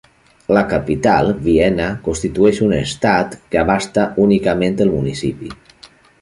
La capital, Viena, constitueix un estat que abasta únicament el municipi.